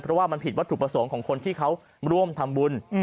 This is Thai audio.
เพราะว่ามันผิดวัตถุประสงค์ของคนที่เขาร่วมทำบุญ